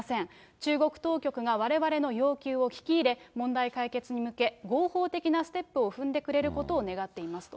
中国当局がわれわれの要求を聞き入れ、問題解決に向け、合法的なステップを踏んでくれることを願っていますと。